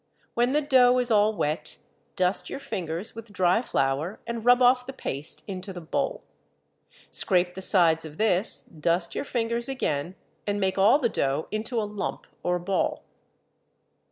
When the dough is all wet dust your fingers with dry flour, and rub off the paste into the bowl. Scrape the sides of this, dust your fingers again, and make all the dough into a lump or ball.